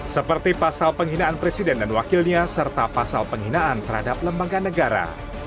seperti pasal penghinaan presiden dan wakilnya serta pasal penghinaan terhadap lembaga negara